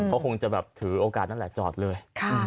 เขาคงจะแบบถือโอกาสนั่นแหละจอดเลย